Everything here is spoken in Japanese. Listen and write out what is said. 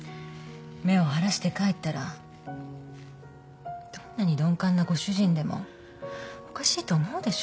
目を腫らして帰ったらどんなに鈍感なご主人でもおかしいと思うでしょ？